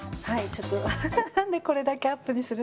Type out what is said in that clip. ちょっと、なんでこれだけアップ